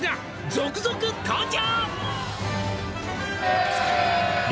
「続々登場」